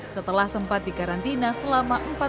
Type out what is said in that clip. setelah sempat dikarantina selama